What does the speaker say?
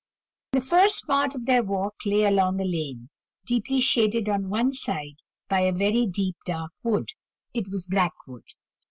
The first part of their walk lay along a lane, deeply shaded on one side by a very deep dark wood it was Blackwood.